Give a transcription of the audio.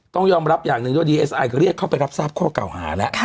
ต้องยอมรับอย่างหนึ่งด้วยดีเอสไอก็เรียกเข้าไปรับทราบข้อเก่าหาแล้ว